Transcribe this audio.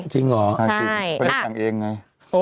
จริงเหรออ่านจริงไม่ได้สั่งเองไง